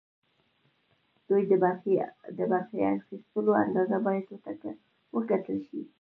دوی د برخې اخیستلو اندازه باید وکتل شي.